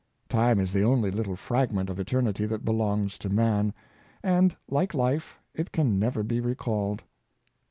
Time is the only little fragment of Eternity that belongs to man; and, like life.^ it can never be recalled.